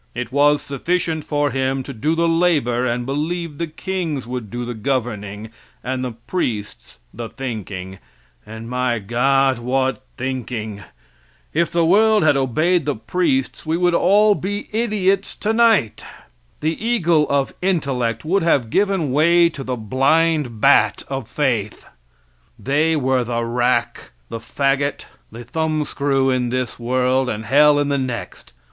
It was sufficient for him to do the labor and believe the kings would do the governing and the priests the thinking and, my God, what thinking! If the world had obeyed the priests we would all be idiots tonight. The eagle of intellect would have given way to the blind bat of faith. They were the rack, the faggot, the thumbscrew in this world, and hell in the next.